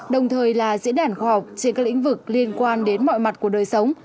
đồng thời là diễn đàn khoa học trên các lĩnh vực liên quan đến mọi mặt của đời sống